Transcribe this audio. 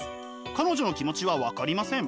彼女の気持ちは分かりません。